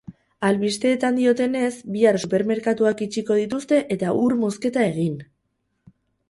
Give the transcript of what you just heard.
Albisteetan diotenez, bihar supermerkatuak itxiko dituzte eta ur mozketa egin!